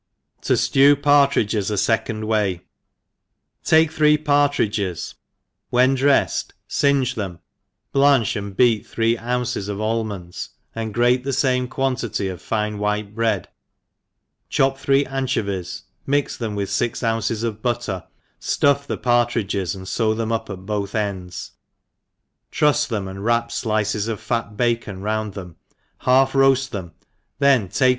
Tojiew Partridges afecond Wiy. TAKE three partridges when drefled, fingc them, blanch and beat three ounces of almonds, and grate the fame quantity of fine white bread, chop three anchovies, mix them with fix ounces of butter, fluff the partridges, and few them up at both ends, trufs them, and wrap fliccs of fat bacon round them, half roaft them, then take OAC ENGLISH HOUSE KEEPER.